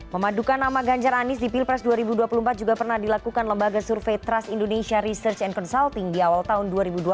memadukan nama ganjar anies di pilpres dua ribu dua puluh empat juga pernah dilakukan lembaga survei trust indonesia research and consulting di awal tahun dua ribu dua puluh